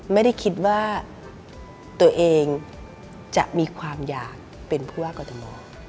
ไม่ได้คิดว่าตัวเองจะมีความอยากเป็นผู้ว่ากรทม